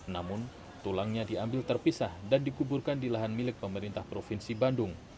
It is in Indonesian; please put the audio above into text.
namun tulangnya diambil terpisah dan dikuburkan di lahan milik pemerintah provinsi bandung